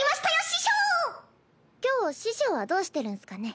今日師匠はどうしてるんスかね？